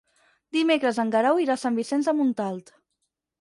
Dimecres en Guerau irà a Sant Vicenç de Montalt.